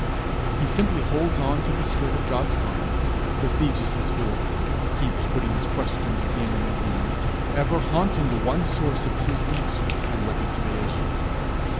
He simply holds on to the skirt of God's garment besieges his door keeps putting his question again and again, ever haunting the one source of true answer and reconciliation.